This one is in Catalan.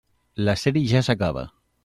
La sèrie ja s'acaba.